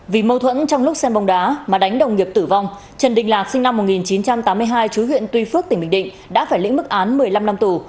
vì mâu thuẫn trong lúc xem bóng đá mà đánh đồng nghiệp tử vong trần đình lạc sinh năm một nghìn chín trăm tám mươi hai chú huyện tuy phước tỉnh bình định đã phải lĩnh mức án một mươi năm năm tù